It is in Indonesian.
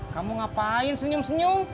kamu ngapain senyum senyum